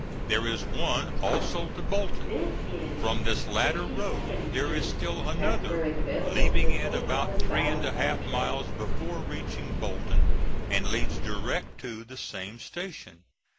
There is one also to Bolton. From this latter road there is still another, leaving it about three and a half miles before reaching Bolton and leads direct to the same station.